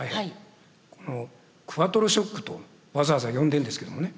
この「クワトロ・ショック」とわざわざ呼んでんですけどもね